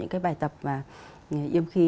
cái bài tập yêm khí